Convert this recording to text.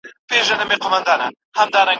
غوړه مالو ویل بخت چي د سلطان وي